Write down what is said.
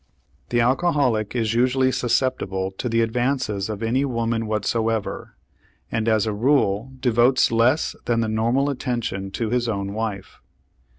The alcoholic is usually susceptible to the advances of any woman whatsoever, and as a rule devotes less than the normal attention to his own wife.